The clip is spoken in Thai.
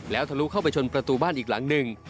แล้วทะลุเข้าไปชนประตูบ้านอีกหลังหนึ่ง